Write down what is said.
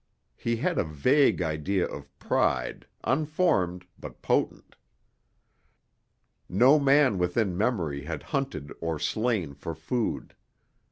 He had a vague idea of pride, unformed but potent. No man within memory had hunted or slain for food.